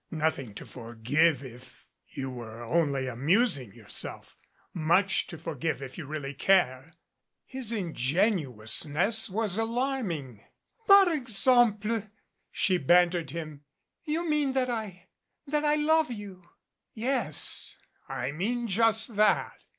"Nothing to forgive if you were only amusing your self much to forgive if you really care !" His ingenuousness was alarming. " 'Par exemple!" She bantered him. "You mean that I that I love you?" 83 MADCAP "Yes, I mean just that."